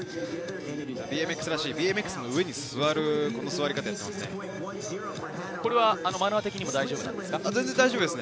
ＢＭＸらしい、ＢＭＸの上に座る座り方ですね。